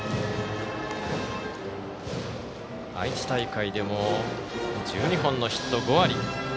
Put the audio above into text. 愛知大会でも１２本のヒット５割。